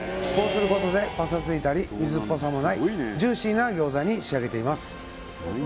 こうすることでパサついたり水っぽさのないジューシーな餃子に仕上げています